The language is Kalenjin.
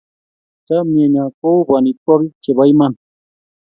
Chamyenyo ko u panitwogik che po iman